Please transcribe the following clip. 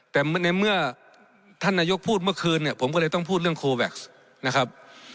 แต่ในเมื่อท่านนายกพูดเมื่อคืนเนี่ยผมก็เลยต้องพูดเรื่องโคแว็กซ์นะครับ